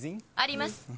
あります。